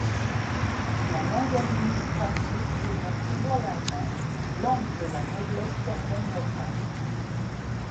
La langue administrative demeure toujours l'allemand, langue de la noblesse terrienne locale.